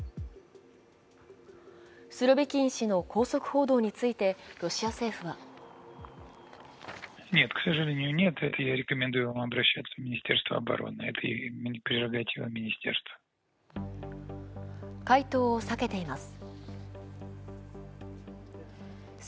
スロビキン氏の拘束報道についてロシア政府は回答を避けています。